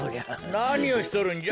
なにをしとるんじゃ？